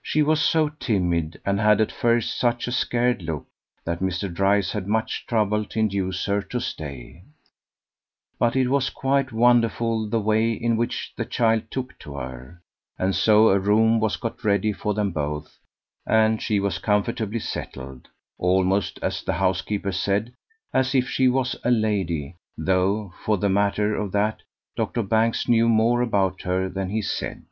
She was so timid, and had at first such a scared look, that Mr. Dryce had much trouble to induce her to stay; but it was quite wonderful the way in which the child took to her, and so a room was got ready for them both, and she was comfortably settled, almost, as the housekeeper said, "as if she was a lady, though for the matter of that, Doctor Banks knew more about her than he said."